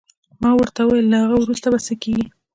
ما ورته وویل: له هغه وروسته به څه کېږي؟